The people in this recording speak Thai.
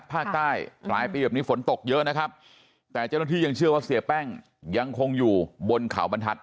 ภาคใต้ปลายปีแบบนี้ฝนตกเยอะนะครับแต่เจ้าหน้าที่ยังเชื่อว่าเสียแป้งยังคงอยู่บนเขาบรรทัศน